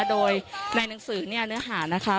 โดยในหนังสือเนี่ยเนื้อหานะคะ